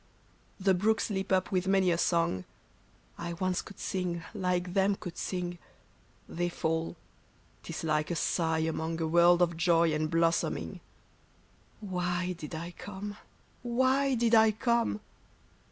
The brooks leap up with many a song; — I once could sing, I'ke them could sing ; They fall ; 'tis like a sigh among A world of joy and blossoming. — Why did I come ? Why did I come